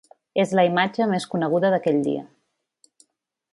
És la imatge més coneguda d’aquell dia.